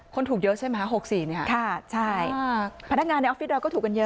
คนถูกเยอะใช่ไหม๖๔เนี่ยค่ะใช่พนักงานในออฟฟิศดอยก็ถูกกันเยอะ